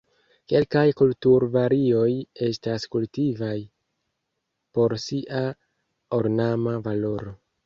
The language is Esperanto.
Kelkaj kulturvarioj estas kultivitaj por sia ornama valoro.